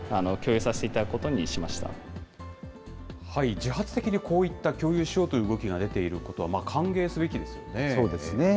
自発的にこういった共有しようという動きが出ていることは、そうですね。